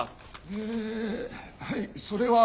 えはいそれは。